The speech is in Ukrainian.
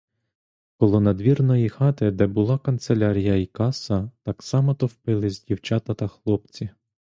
Коло надвірної хати, де була канцелярія й каса, так само товпились дівчата та хлопці.